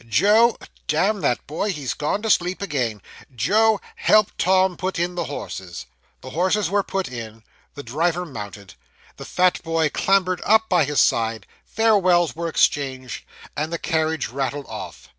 Joe damn that boy, he's gone to sleep again Joe, help Tom put in the horses.' The horses were put in the driver mounted the fat boy clambered up by his side farewells were exchanged and the carriage rattled off.